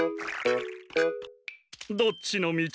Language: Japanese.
どっちのみち？